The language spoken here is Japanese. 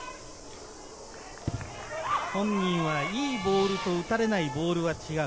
本人はいいボールと打たれないボールは違う。